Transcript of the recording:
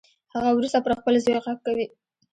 هغه وروسته پر خپل زوی غږ کوي